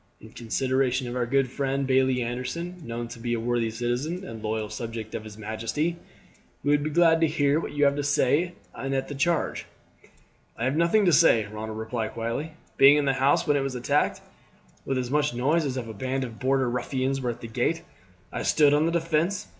In consideration of our good friend Bailie Anderson, known to be a worthy citizen and loyal subject of his majesty, we would be glad to hear what you have to say anent this charge." "I have nothing to say," Ronald replied quietly. "Being in the house when it was attacked, with as much noise as if a band of Border ruffians were at the gate, I stood on the defence.